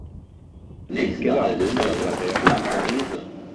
En queda algun a la platea?